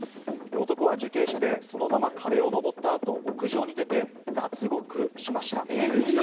男は受刑者で、そのまま壁を登った後、屋上に出て脱獄しました。